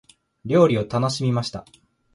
料理を楽しみました。